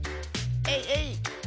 えいえいっ！